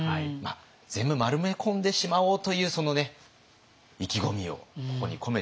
全部丸めこんでしまおうというその意気込みをここに込めてみました。